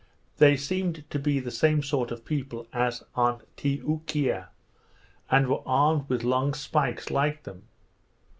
They seemed to be the same sort of people as on Ti oo kea, and were armed with long spikes like them.